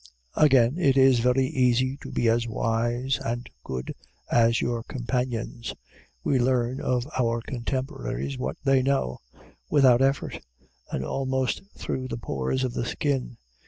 Again: it is very easy to be as wise and good as your companions. We learn of our contemporaries what they know, without effort, and almost through the pores of the skin.